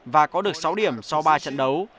và có được sáu điểm so ba trận đấu